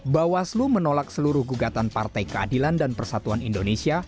bawaslu menolak seluruh gugatan partai keadilan dan persatuan indonesia